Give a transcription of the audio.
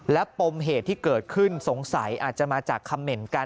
และปมเหตุที่เกิดขึ้นสงสัยอาจจะมาจากคำเหม็นกัน